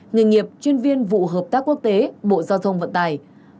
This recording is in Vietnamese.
nghề nghiệp chuyên viên vụ hợp tác quốc tế bộ giao thông vận tải